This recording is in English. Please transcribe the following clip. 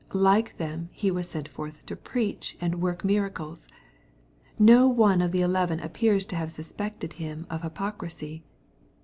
Like them he was sent forth to preach and work miracles. No one of the eleven appears' to have sus pected him of hypocrisy.